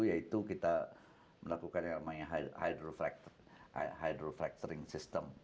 yaitu kita melakukan yang namanya hydroflecturing system